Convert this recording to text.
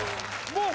もう